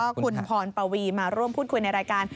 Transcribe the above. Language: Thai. แล้วก็คุณพรปวีมาร่วมพูดคุยในรายการ